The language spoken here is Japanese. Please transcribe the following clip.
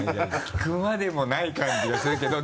聞くまでもない感じがするけど。